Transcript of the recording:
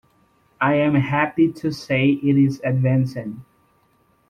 I am happy to say it is advancing.